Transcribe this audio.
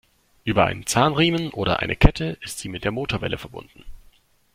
Über einen Zahnriemen oder eine Kette ist sie mit der Motorwelle verbunden.